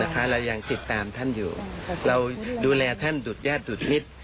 เรายังติดตามท่านอยู่เราดูแลท่านดูดญาติดูดมิตร